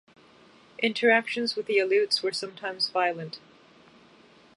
Interactions with the Aleuts were sometimes violent.